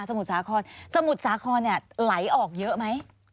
สมุทรสาครเนี่ยไหลออกเยอะไหม